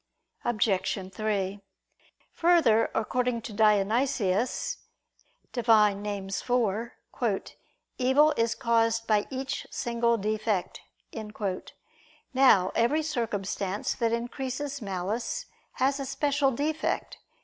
Obj. 3: Further, according to Dionysius (Div. Nom. iv), "evil is caused by each single defect." Now every circumstance that increases malice, has a special defect.